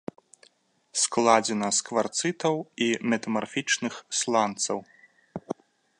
Складзена з кварцытаў і метамарфічных сланцаў.